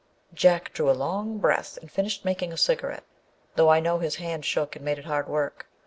Jack drew a long breath and finished making a cigarette, though I know his hand shook and made it hard work.